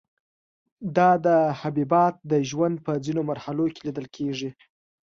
دا حبیبات د ژوند په ځینو مرحلو کې لیدل کیږي.